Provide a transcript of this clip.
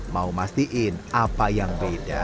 mau mastiin apa yang beda